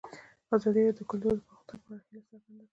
ازادي راډیو د کلتور د پرمختګ په اړه هیله څرګنده کړې.